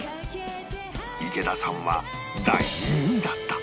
池田さんは第２位だった